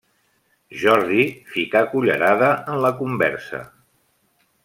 Jordi ficà cullerada en la conversa.